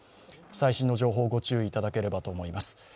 最新の情報ご注意いただければと思います。